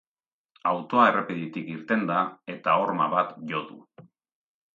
Autoa errepidetik irten da, eta horma bat jo du.